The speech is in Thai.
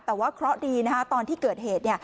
แต่ว่าเคราะห์ดีตอนที่เกิดเหตุ